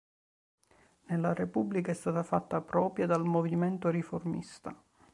Nella Repubblica è stata fatta propria dal Movimento Riformista.